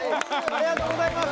ありがとうございます！